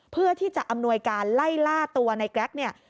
เพื่อที่จะอำนวยการไล่ล่าตัวในแกรกเนี่ย